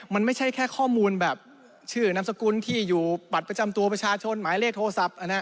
มันไม่ใช่แค่ข้อมูลแบบชื่อนามสกุลที่อยู่บัตรประจำตัวประชาชนหมายเลขโทรศัพท์